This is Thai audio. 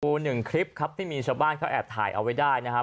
หนึ่งคลิปครับที่มีชาวบ้านเขาแอบถ่ายเอาไว้ได้นะครับ